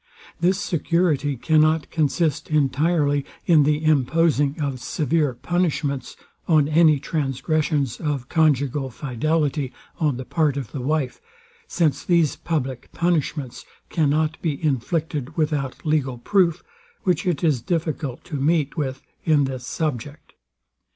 This security cannot consist entirely in the imposing of severe punishments on any transgressions of conjugal fidelity on the part of the wife; since these public punishments cannot be inflicted without legal proof, which it is difficult to meet with in this subject.